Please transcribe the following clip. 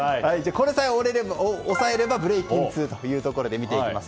これさえ押さえればブレイキン通ということで見ていきます。